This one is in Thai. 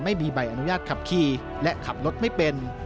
ไม่มีใบอนุญาตขับขี่และขับรถไม่เป็น